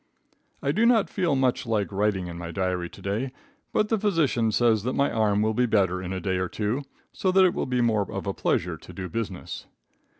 I do not feel much like writing in my diary to day, but the physician says that my arm will be better in a day or two, so that it will be more of a pleasure to do business.